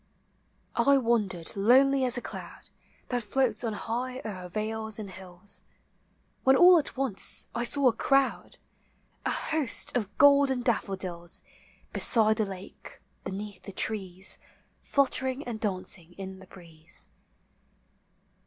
I wandered lonely as a cloud That floats on high o'er vales and hills, When all at once I saw a crowd, — A host of golden daffodils Beside the lake, beneath the trees. Fluttering and dancing in the breeze.